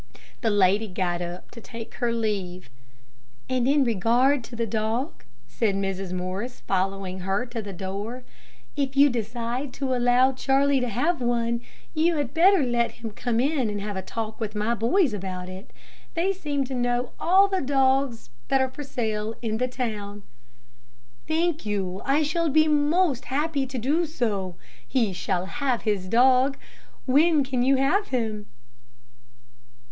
The lady got up to take her leave. "And in regard to the dog," said Mrs. Morris, following her to the door, "if you decide to allow Charlie to have one, you had better let him come in and have a talk with my boys about it. They seem to know all the dogs that are for sale in the town." "Thank you; I shall be most happy to do so. He shall have his dog. When can you have him?"